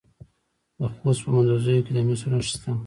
د خوست په مندوزیو کې د مسو نښې شته.